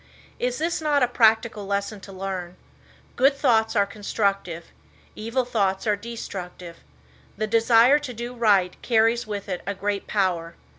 Is this not a practical lesson to learn? Good thoughts are constructive. Evil thoughts are destructive. The desire to do right carries with it a great power.